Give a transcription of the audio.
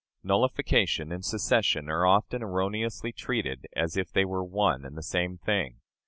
Nullification and secession are often erroneously treated as if they were one and the same thing.